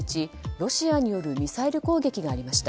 ロシアによるミサイル攻撃がありました。